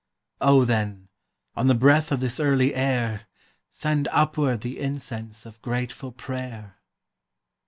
Oh, then, on the breath of this early air Send upward the incense of grateful prayer.